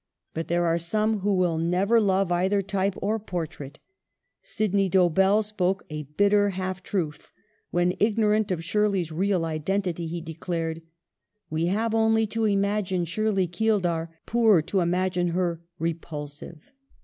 But there are some who will never love either type or portrait. Sydney Dobell spoke a bitter half truth when, ignorant of Shir ley's real identity, he declared :" We have only to imagine Shirley Keeldar poor to imagine her repulsive."